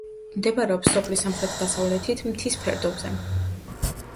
მდებარეობს სოფლის სამხრეთ-დასავლეთით, მთის ფერდობზე.